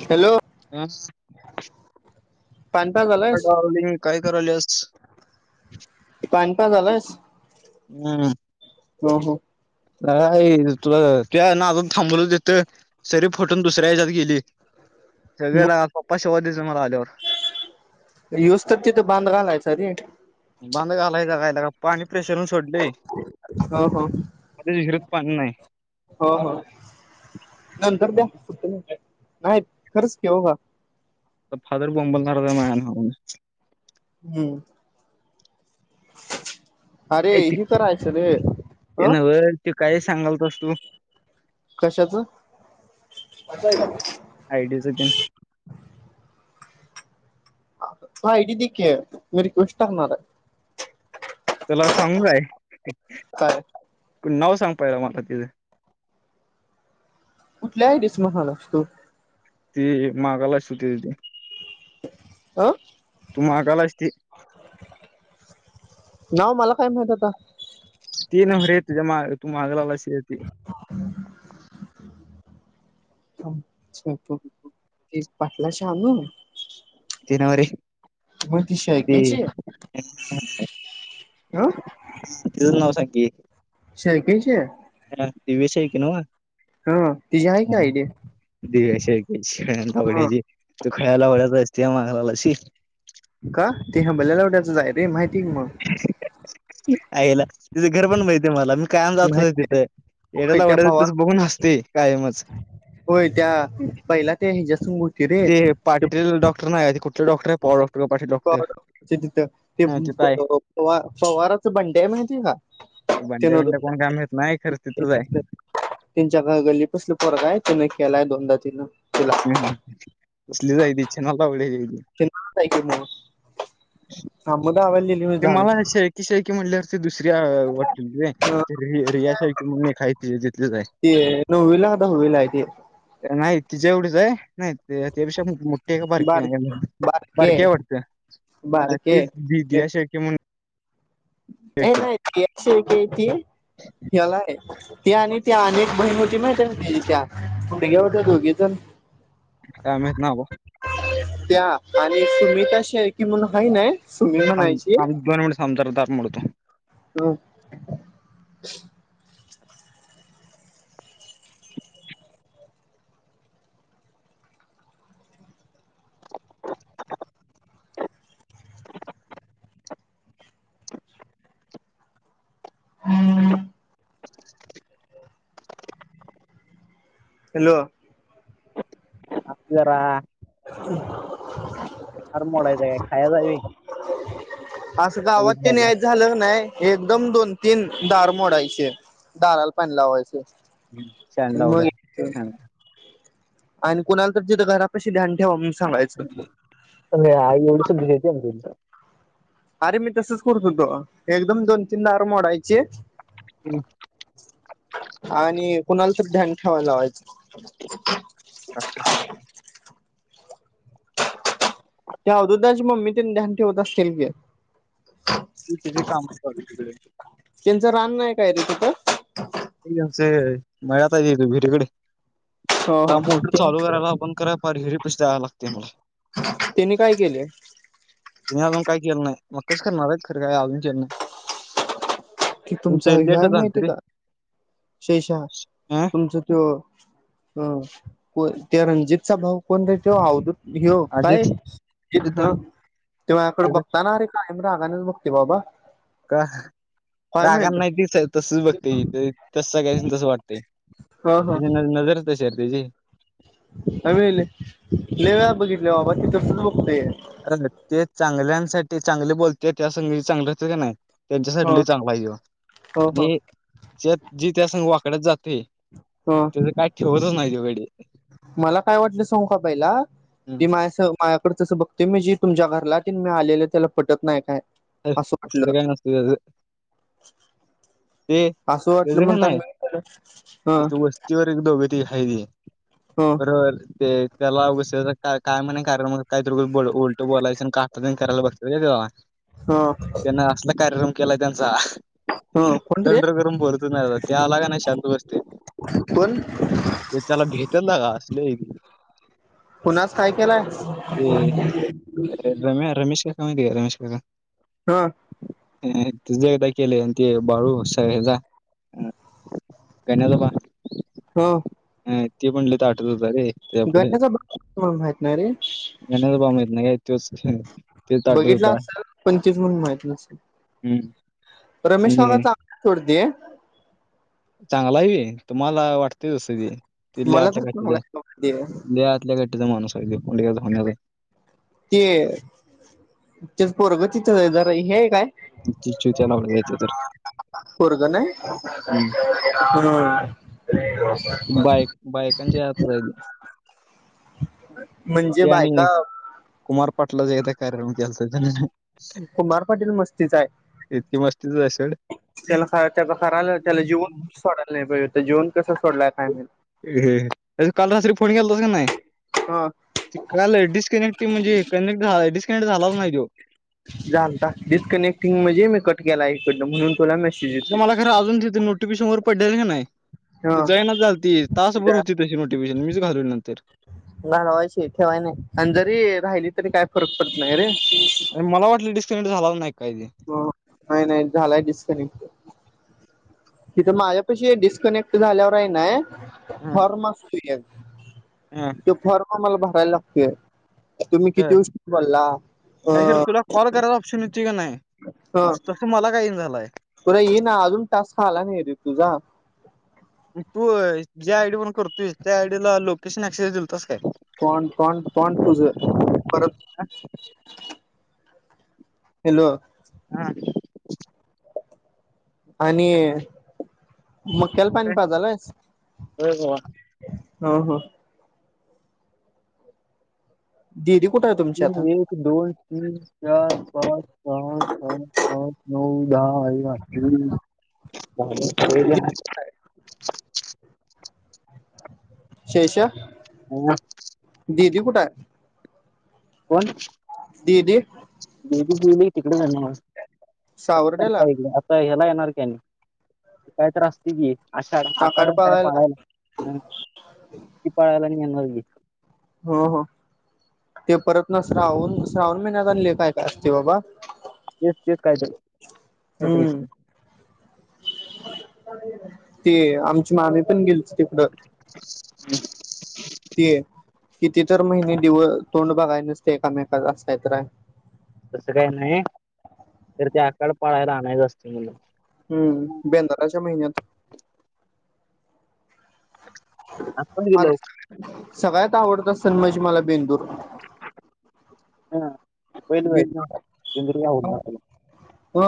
Hello पानपा झालायस हलिंग काय करायलस पानपा झालायच हम ह ह नाही तुझ तू ना अजून थांबवलं देत सरी फटून दुसऱ्या हच्यात गेली सगळ्याला पप्पा शेवा देत मला आल्यावर युस् तर तिथं बांध घलायच रे बंद घालायचा कायला का पाणी प्रेशरून सोडले हो हो माझ विरत पाण नाही हो हो नंतर द्या नाही खरंच केवघ तर फादर बॉम्बलणार मायान हम्म अरे ए ते ह तरहायचं रे ते अ नव्ह ते काय सांगालत असतू. कशाच. आयडीिजतीलन. हयट दिके आहे तुम्ी रिक्वेस्ट करणार आहे. तुला सांगूय. काय? नव सांग पाहियला मला तिथं. कुठल्याही दिस म हा न असतो. ती मागाला सुती त. आं. मागालईस ते. नाव मला काय माहत आता. ती नर य तुझ माग तू मागलालाशी येतती. च्छा ते पाटला श आनू. जनवारी. मग ती ते. शेळक्याची हा अ ति नाव संखी स कयचे ह ती वस आहे कि नावा हा तिझी आहे काय आयडिया दिव्या शेऐका्यायची लावडण्याची तू खळयला आवडत असते मागलालाशी का ते ह बल्यालावट्याचं जाय रे माहिती का मग आईला तिचं घर पण माहित आहे मला मी कायम जात माहिती तिथे होय येड्याला त्या ओडायला भावा तस बघून अससती होय त्या पहिला ते हिच्यास ते पाटील डॉक्टर नाहीठ. तथ हा तिथं आहे तेार पवार. बंड्या म्हैतीय काय. भंड्या बिंड्या कोण काम घेत नाही खर् तिथच आहे. तच्या घगली पसली फरक आहे तिन केलाय दोनदा तिनं तुला कसली जाय त णालावढ. [unintelligible] ते मला की शे एककी शे की म्हणल्या. दुसऱ्या वाट अ रियाशा म्हण खायचे जथलेच आहे. ते गोविंद. बता होला आहेती. नाही तिच एवढीच आहे. नाही ते अ तेपेशा मुठे का बार बारके बारके वाटते. हा बारके तीस दिी दि अस कि म्हन. ए नाही गती ह्यालाय ती आणि ती अनेक बहीण होती माहित त्या पुढग्या होत्या दोघीजण अमहीच ना होो त्या आणि सुमताशी आहे की म्हण ह ना सुमी म्हणायची समजरदार मुळतो हो हम् [inaudible] हॅलो रार मडय जा का खा जाय. अस का लगेच आवत् बाहेरला. नाहीय. झालं नाही एकदम दोन तीन दार मोडायचे दाराल पाणी लावायचे. ह ानला आवडत हा. आणि कोणाला तर तिथं घरा पशी ध्यान ठेवाव म्ह सांगायचं एवढी सुद्ध घेते तुमं अरे मी तसच करतो हो तो एकदम दोन तीनदाारम मोडायचे हम् आणि कुणाला तर ध्यान ठेवाय लावायचं अच्छ त्या अधोदची मम्मी ते ्यान ठेवत असतील की ी तथे काम करू तिकडे त्यांचं रान नाहीय काय रे तिथं मळत य तू भिरीकडे हो ह हो मोठ त्यां चालू करायला आपण कराय फार हिरी पशी द्याव लागते मला त्यांनी काय केले तुम् अज काय केलं नाहीय मग कच खणारच खर काय अजून केलं नाही कि तुमचा तुमचं लेट वहाय झालं माहिती आहे रे. का शेशा अं तुमच तो अ को त्या रणजितचा भाऊ कोण र तो अवदूत ह काय अजित अजित दा तेव्हाकडे बघतानाे काम रागानेच बगते बाबा. का काय रागां माहित नाही त तसच बघते तस स काय तस वाटतंय. ह ह तची न नजरच शर तचीी आ मिले नवळा बघितल्या बाबा तिथसच बघतय अ ते चांगल्यांसाठी चांगले बोलते त्या संगी चांगले होते का नाही त्यांच्यासाठी ह ल चांग पाहिजे ह ह आणि त्या जी त्या संघ वाकड्यात जाते ह त्याचं काय ठेवतच नाही तिकडे मला काय वाटलं संकाबाईला बी हम्म मा अस माझ्याकडे तसं बघतय मी जी तुमच्या घरला त मी आलेलं त्याला पटत नाही काय. असं. तसलं [unintelligible] काय नसतं त्याचं ते असं वाटलं त्याचं का नाही [unintelligible] हं. [unintelligible] हम्म. बरोबर ते त्याला [unintelligible] का काय म्हणे कारण मग काहीत ब उलटं बोलायचं का [unintelligible] करायला बघत तेव्हा ह त्यांना असला कार्यक्रम केला त्यांचा. हो. दंड वर करून [unintelligible] त्या आला का नाही शांत बसते. कोण ते त्याला भेटल असल आहे ते. कुणास काय केलाय. ते अं, रम्या रमेश काका माहित आहे का रमेश काका? हा. अ तुझ एकदा केलय अन ते बाळू सगळे जा गण्याला बा हम्म हम्म ते पण लई ताठत होत रे. त्या गण्याचा [unintelligible] माहित नाही रे. गाण्याचा भाऊ माहित का एक दिवस ते [unintelligible] बघितला होता. असेल पंचवीस म्हणून माहित नसेल हम्म. रमेश आणि [unintelligible] सोडते. चांगला आहे की तुम्हाला वाटते तसं ते. तिथल्या मला तर [unintelligible] चांगला द्या. लई गट्ट्याचा माणूस हाय त्यो [unintelligible] होणारे. ते, ते पोरग तिथंच आहे जरा हे काय? ती चुत्या लावल्या जायचे तर उर्ग नाही? हम्म. हम् बायक बायकांच्यात व्हायल. म्हणजे ते आणि बायका एक कुमार पाटलाचा एकदा कार्यक्रम केलाता त्याने. कुमार पाटील मस्तीच आहे इतकी मस्तीचाये सोड. त्याला [unintelligible] त्याला जिवंत सोडायला नाही पाहिजे होत. तो जिवंत कस सोडलाय काय माहिती. अ त्याचा काल रात्री फोन केलता का नाही? हा. ते काल डिस्कनेक्टिव म्हणजे कनेक्ट झाला डिस्कनेक्ट झालाच नाही तो. झालता डिस्कनेक्टिंग म्हणजे मी कट केला इकडनं म्हणून. तुला मेसेज [unintelligible] येतोय मला खर अजून तिथून नोटिफेशन वर पडले की नाही ती हा जाईना झालती तासभर होती तशी नोटिफेशन मीच घालवली नंतर. घालवायची ठेवाय नाही आणि जरी राहिली तरी काय फरक पडत नाही रे. आणि मला वाटलं डिस्कनेक्ट झालाच नाही पाहिजे. हो नाही नाही झालाय डिस्कनेक्ट. तिथं माझ्या पशी डिस्कनेक्ट झाल्यावर आहे ना हॉर्न वाजतोया. हम्म. फॉर्म आम्हाला भरायला लागतोय तुम्ही किती हं [unintelligible] अरे खरं तुला [unintelligible] नाही ह तस मला काही झालंय. तुला येई ना अजून टास्क झाला नाही रे तुझा. तू ज्या आयडीवरून करतोयस त्या आयडी ला लोकेशन अक्सेस दिलता काय? पंड पांड पूझ परत हॅलो. हा. आणि मक्याला पाणी काय? पहायलयेस? होय बाबा. हो हो दिीदी कुठे आहे तुमच्या आता दो तीन चार पाच पाच पाच पाच नऊ दहा वा दिदी शेष ह ददी कुठय कोण ददी गेली गेली तिकडे सावर्ड्याला जाणारकडे ह्याला येणार कनी कायत असते की आा आकाड काय पाळायला हम ती पाळायला निणारगी हा ह ते परत ना श्रावण श्रावण महिन्यात आणले काय असते बाबा तेच तेच काय काय हम्म दृश्य ते आमची मामी पण गेली तिकडं ह त किती तर महिने दिव तोंड बघायनचते एकमेक असात रा तसं काही नाही तर त्या आकाड पाळायला आणायचं असत मला हम्म बेंदाराच्या महिन्यात आपण कलं माझा सगळ्यात आवडत असण म्हणजे मला बेंदूर ह पहिलं जायच ना बेंदूर तिंदर हो ह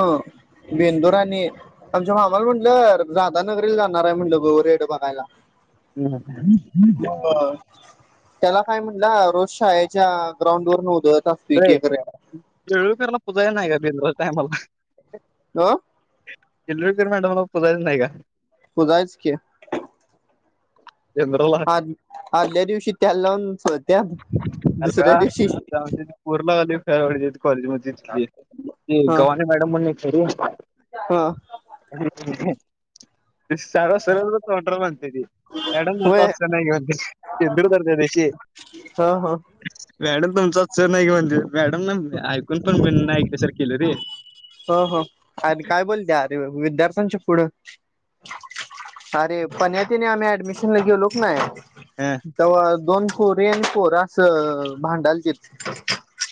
बेंदुरा आणि आमच्या मामाल म्हटलं जादा नगरीील जाणार आहे म्हणलं ग रेड बघायला हो ह त्याला काय म्हंटलं रोज शाळेच्या ग्राउंड वर नव्हद खेळ कला पूजा नाही का बि टयमला ह एल्कर मॅडम पजाच नाही का हो जायच क चंद्रला आ आदल्या दिवशी त्याला लावून सत्या पूरला झाली फ कॉलेज म ह गवानी मॅडम म्हण ख ह सार स तोड्र म्हणतेरी एडोो होय तास चेन ब बिडदरते देशी हा हा मॅडम तुमचाच सर नाही म्हणजे मॅडम ना ऐकून पण मी ऐकल्या सर केलं रे हो हो अरे काय बोलते अरे विद्यार्थ्यांच्या पुढं अरे पणण्यात तिने आम्ही ऍडमिशन ला घेऊलोक ना हा तेव्हा दोन पोर एन पोर अस भांडाल त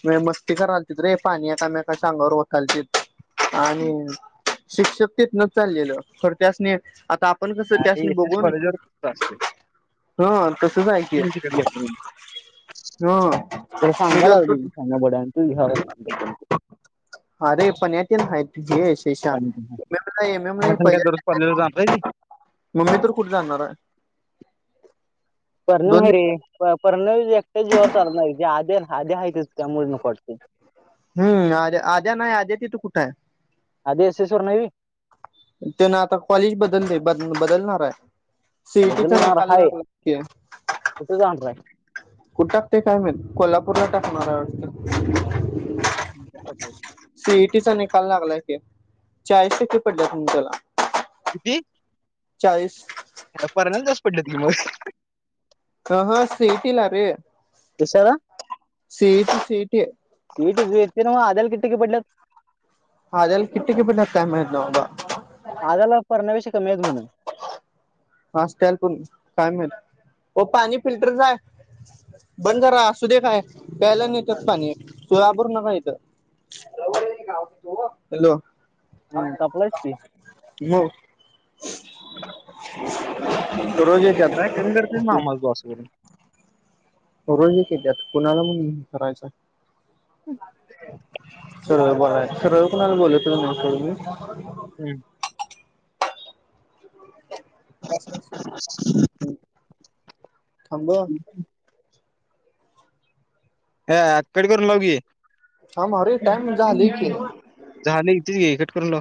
म मस्ती करायल त रे पाणी आहे का म का अंगावर वसााय आणि शिक्षक तेच न चाललेलं खर त्याचनी आता पण कसं अरे त्यासनी एस एस बघून कॉलेजवर तसं असतंय. हं तसच यकय बला सांगायला लाग सांग बड्या तू ह अरे पन्याट नााय जेच काय ते एम एम नाहीहिज दररोज कॉलेजला जाणार आहे ती? मम्मी तर कुठे जाणार आहे पर्णव दोन नाही दिवस रे पर्णव एकट्या जीवावर चालणार जे आध आधी ह त्या मुळनकटते हम्म आद्या आद्या नाही आद्या तिथू कुठं आहे अद एस ए सुवर्णवी त्यान आता कॉलेज बदलते बदलणार आहे सीटीचा निकालणार कुठ काणय ू टाकते काय मी कोल्हापूरला टाकणार अस्थ च सीईटीचा निकाल लागलाय क चाळीस टक्के पडले तुमच्याला क चाळीस परयल जास पडलं तुझी मग ह हा सीटला रे कशाला सीट सीटी सटे ना आदल किट्टकी पडलं हला किती किपे टताय महिबा आजला परणावीश का मेद म्हणून हस्टल पण काय मि पाणी फिल्टर जाय बंद करा असू दे काय प्यायला नाहीेतच पाणी सोलापूर नका येतं का तू हॅलो हं, तापलायच की हो त रोजित काय कमी करते ना माझू असं करून रोजी केेतत कुणाला मण करायच हम् सर बला सरळ कुणाला बोलत म मी हम् हम्म थांब हकडे करून लाव घी थांब अरे टाइम झाले की जहा नाही इथेच घ इ कट करून ल